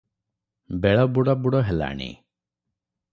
ବେଳ ବୁଡ଼ ବୁଡ଼ ହେଲାଣି ।